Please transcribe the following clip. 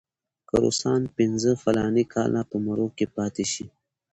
که روسان پنځه فلاني کاله په مرو کې پاتې شي.